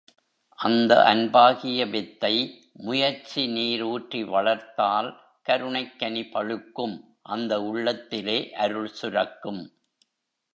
அந்த அன்பாகிய வித்தை முயற்சி நீர் ஊற்றி வளர்த்தால் கருணைக் கனி பழுக்கும் அந்த உள்ளத்திலே அருள் சுரக்கும்.